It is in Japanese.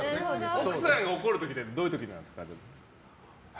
奥さん怒る時ってどういう時なんですか。